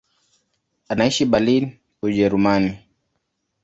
Anaishi Berlin, Ujerumani.